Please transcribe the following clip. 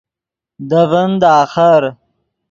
دے ڤین دے آخر